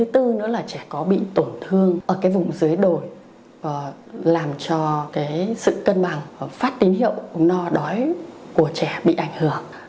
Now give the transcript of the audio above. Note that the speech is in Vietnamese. trẻ có bị tổn thương ở vùng dưới đồi làm cho sự cân bằng phát tín hiệu no đói của trẻ bị ảnh hưởng